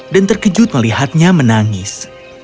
dan terkejut melihatnya menangis